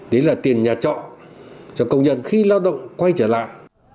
đấy là tiền nhà trọ cho công nhân khi lao động quay trở lại